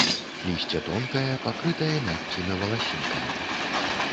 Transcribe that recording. Лісце тонкае, пакрытае мяккімі валасінкамі.